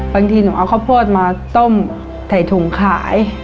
บางทีหนูเอาข้าวโพดมาต้มใส่ถุงขาย